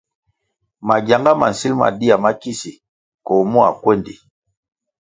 Mangyanga ma nsil ma dia makisi koh mua kwéndi.